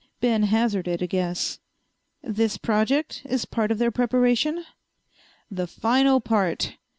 Ben hazarded a guess. "This project is part of their preparation?" "The final part.